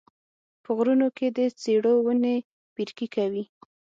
په غرونو کې د څېړو ونې پیرګي کوي